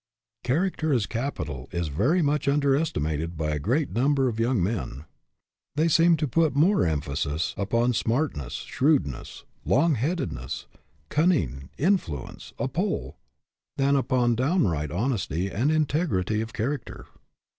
Character as capital is very much under estimated by a great number of young men. 138 STAND FOR SOMETHING They seem to put more emphasis upon smart' ness, shrewdness, long headedness, cunning, influence, a pull, than upon downright honesty and integrity of character.